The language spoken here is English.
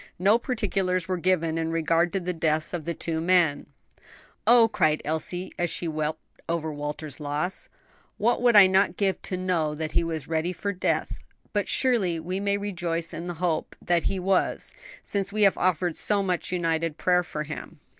No particulars were given in regard to the deaths of the two young men. "Oh," cried Elsie, as she wept over Walter's loss, "what would I not give to know that he was ready for death! But surely we may rejoice in the hope that he was; since we have offered so much united prayer for him."